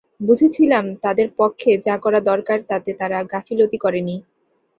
বুঝেছিলাম তাদের পক্ষে যা করা দরকার তাতে তারা গাফিলতি করেনি।